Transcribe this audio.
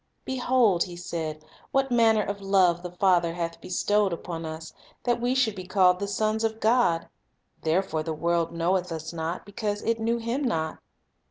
"Behold," he said, "what manner of love the Father hath bestowed upon us, that we should be called the sons of God; therefore the world knoweth us not, because it knew Him not.